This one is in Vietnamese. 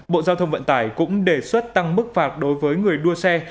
bộ giao thông vận tải cũng đề xuất tăng mức phạt đối với người đua xe